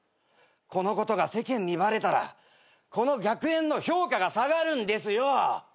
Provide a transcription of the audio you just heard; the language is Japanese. このことが世間にバレたらこの学園の評価が下がるんですよ。